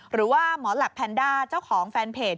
หรือว่าหมอแหลปแพนด้าเจ้าของแฟนเพจ